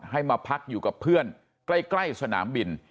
ให้มาพักอยู่กับเพื่อนใกล้สนามบิน